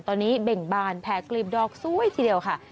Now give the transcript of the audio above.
ตอนนี้เบ่งบานแผลกลีบดอกสวยทีเดียวค่ะ